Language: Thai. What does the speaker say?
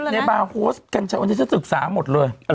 เด็กในบาร์โฮสกันในวันนี้จะศึกษาหมดเลย